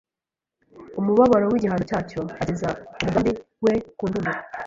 umubabaro w’igihano cyacyo, ageza umugambi we ku ndunduro,